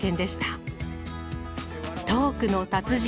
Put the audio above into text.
トークの達人